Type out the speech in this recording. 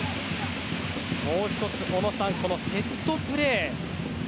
もう１つ、小野さんセットプレー。